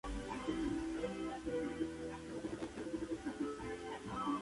Es interpretado por David Schofield.